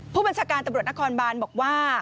ผู้บัญชาการตำรวจนครบานบอกว่า